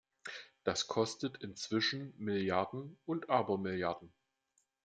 Das kostet inzwischen Milliarden und Abermilliarden!